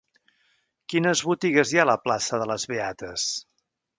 Quines botigues hi ha a la plaça de les Beates?